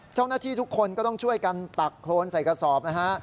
เจ้าหน้าที่ทุกคนก็ต้องช่วยกันตักโครนใส่กระสอบนะฮะ